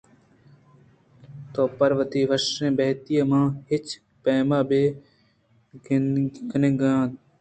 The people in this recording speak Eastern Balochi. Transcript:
تو پر وتی وش بَہتیءَ منا ہچ پیم بئے کنگ ءَ نئے